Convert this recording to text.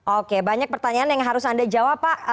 oke banyak pertanyaan yang harus anda jawab pak